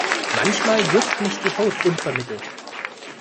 Manchmal juckt mich die Haut unvermittelt.